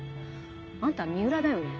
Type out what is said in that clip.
あんた三浦だよね？